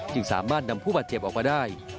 สามารถนำผู้บาดเจ็บออกมาได้